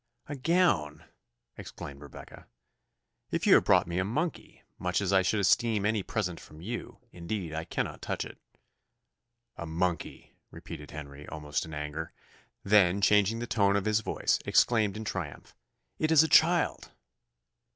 "A gown!" exclaimed Rebecca. "If you have brought me a monkey, much as I should esteem any present from you, indeed I cannot touch it." "A monkey!" repeated Henry, almost in anger: then changing the tone of his voice, exclaimed in triumph, "It is a child!"